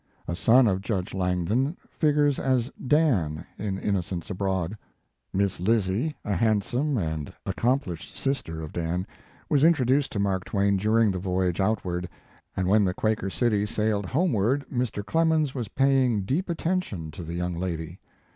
A son of Judge Langdon figures as "Dan" in "Innocents Abroad." Miss Lizzie, a handsome and accomplished sister of Dan, was introduced to Mark Twain during the voyage outward, and when the Quaker City sailed homeward Mr. Clemens was paying deep attention to the young lady.